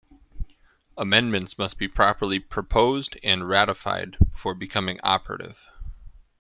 Amendments must be properly "Proposed" and "Ratified" before becoming operative.